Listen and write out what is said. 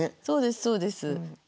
そうですそうです。